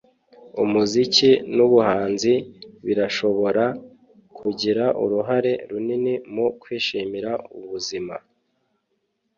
umuziki nubuhanzi birashobora kugira uruhare runini mu kwishimira ubuzima